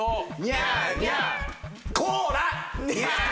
ニャーニャー。